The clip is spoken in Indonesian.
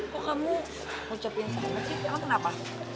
kok kamu ucapin sama kita kenapa